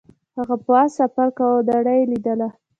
هغه په اس سفر کاوه او نړۍ یې لیدله.